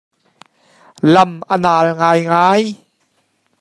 Lam a nal ngaingai.